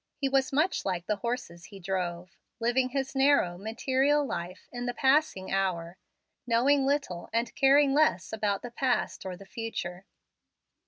He was much like the horses he drove, living his narrow, material life in the passing hour, knowing little and caring less about the past or the future.